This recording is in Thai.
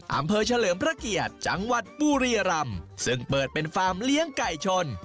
สำเภอเฉลิมพระเกียจจังหวัดปุริยรัมซึ่งเปิดเป็นฟาร์มเลี้ยงไก่ชน